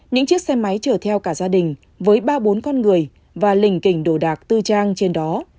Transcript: những chiếc xe máy chở theo cả gia đình với ba bốn con người và lình kình đồ đạc tư trang trên đó